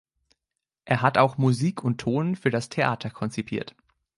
Er hat auch Musik und Ton für das Theater konzipiert.